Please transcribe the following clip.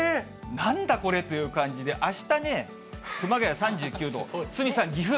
なんだこれという感じであしたね、熊谷３９度、鷲見さん、岐阜。